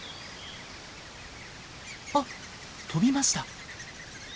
あっ飛びました。